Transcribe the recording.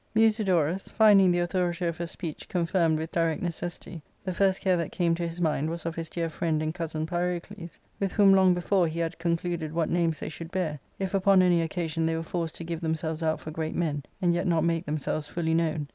Musidorus, finding the authority of her speech con firmed with direct necessity, the first care that came to his mind was of his dear friend and cousin Pyrocles, with whom long before he had concluded what names they should b6ar, if upon any occasion they were forced to give themselves out for great men, and yet not make themselves fully known.